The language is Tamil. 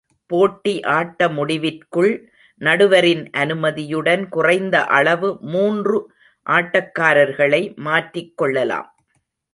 போட்டி ஆட்ட முடிவிற்குள் நடுவரின் அனுமதியுடன் குறைந்த அளவு மூன்று ஆட்டக்காரர்களை மாற்றிக் கொள்ளலாம்.